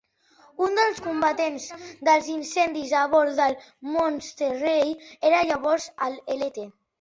Un dels combatents dels incendis a bord del "Monterey" era llavors el Lt.